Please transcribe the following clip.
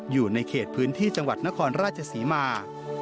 อยู่ในเขตพื้นที่จังหวัดนครราชศรีมา